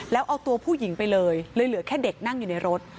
แล้วเอาตัวผู้หญิงไปเลยเลยเหลือแค่เด็กนั่งอยู่ในรถ